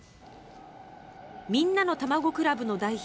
みんなのたまご倶楽部の代表